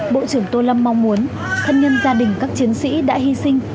bộ trưởng tô lâm mong muốn thân nhân gia đình các chiến sĩ đã hy sinh